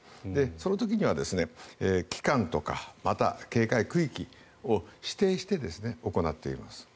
その時には期間とか警戒区域を指定して行っています。